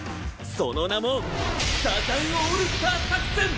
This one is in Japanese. その名も「３×３オールスター作戦」！